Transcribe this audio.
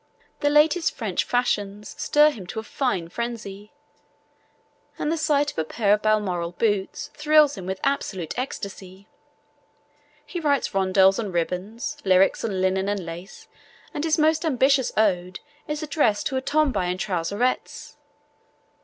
The latest French fashions stir him to a fine frenzy, and the sight of a pair of Balmoral boots thrills him with absolute ecstasy. He writes rondels on ribbons, lyrics on linen and lace, and his most ambitious ode is addressed to a Tomboy in Trouserettes!